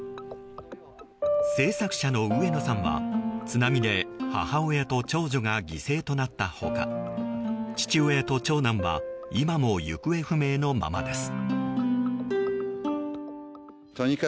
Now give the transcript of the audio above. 製作者の上野さんは津波で母親と長女が犠牲となった他父親と長男は今も行方不明のままです。